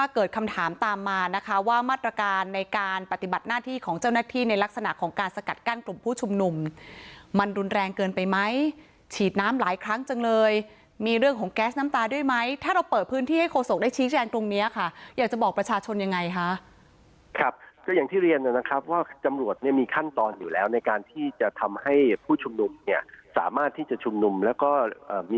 กันในการปฏิบัติหน้าที่ของเจ้าหน้าที่ในลักษณะของการสกัดกั้นกลุ่มผู้ชุมหนุ่มมันรุนแรงเกินไปไหมฉีดน้ำหลายครั้งจังเลยมีเรื่องของแก๊สน้ำตาด้วยไหมถ้าเราเปิดพื้นที่ให้โคสกได้ชี้แรงตรงเนี้ยค่ะอยากจะบอกประชาชนยังไงค่ะครับก็อย่างที่เรียนนะครับว่าจำนวดมีขั้นตอนอยู่แล้วในการที่จะทำให้